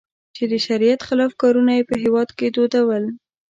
چې د شریعت خلاف کارونه یې په هېواد کې دودول.